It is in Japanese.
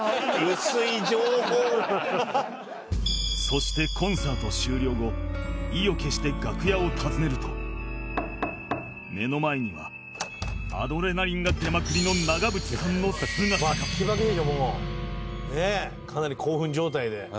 そしてコンサート終了後意を決して楽屋を訪ねると目の前にはアドレナリンが出まくりの「ねえかなり興奮状態で」